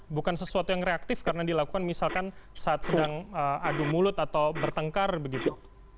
bukan sesuatu yang reaktif karena dilakukan misalkan saat sedang adu mulut atau bertengkar begitu